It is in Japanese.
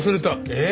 えっ？